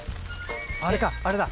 あれかあれだ。